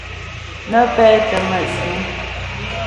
Nə́ pɛ́tə́ mə̂síŋ.